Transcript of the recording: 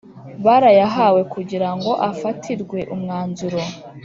barayahawe kugira ngo afatirwe umwanzuro.